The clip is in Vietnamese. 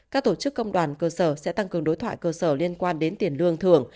các tổ chức công đoàn cơ sở sẽ tăng cường đối thoại cơ sở liên quan đến tiền lương thưởng